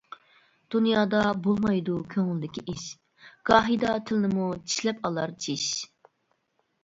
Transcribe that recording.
دۇنيادا بولمايدۇ كۆڭۈلدىكى ئىش، گاھىدا تىلنىمۇ چىشلەپ ئالار چىش.